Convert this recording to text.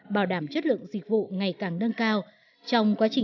mà bây giờ vẫn còn đang còn tồn tại